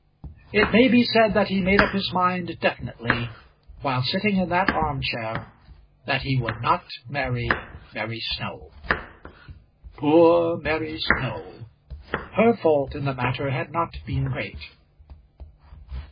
It may be said that he made up his mind definitely, while sitting in that arm chair, that he would not marry Mary Snow. Poor Mary Snow! Her fault in the matter had not been great.